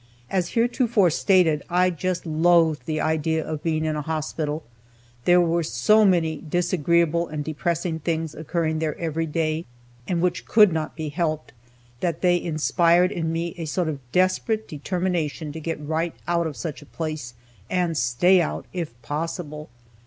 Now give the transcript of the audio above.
As heretofore stated, I just loathed the idea of being in a hospital. There were so many disagreeable and depressing things occurring there every day, and which could not be helped, that they inspired in me a sort of desperate determination to get right out of such a place, and stay out, if possible.